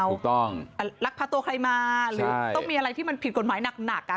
ถูกต้องลักพาตัวใครมาหรือต้องมีอะไรที่มันผิดกฎหมายหนักอ่ะ